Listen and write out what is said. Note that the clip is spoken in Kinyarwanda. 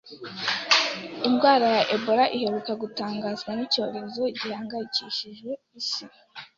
Indwara ya Ebola iheruka gutangazwa nk'icyorezo gihangayikishije isi